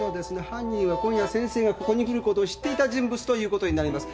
犯人は今夜先生がここに来ることを知っていた人物ということになります。